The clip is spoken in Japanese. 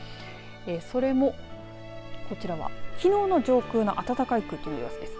それもこちらはきのうの上空の暖かい空気の様子です。